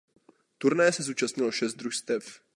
Turnaje se zúčastnilo šest družstev.